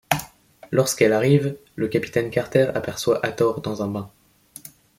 Lorsqu'elle arrive, le capitaine Carter aperçoit Hathor dans un bain.